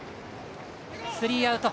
スリーアウト。